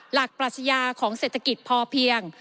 ปรัชญาของเศรษฐกิจพอเพียง